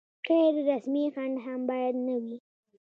غیر رسمي خنډ هم باید نه وي.